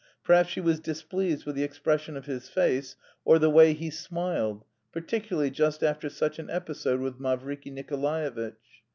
Perhaps she was displeased with the expression of his face, or the way he smiled, particularly just after such an episode with Mavriky Nikolaevitch.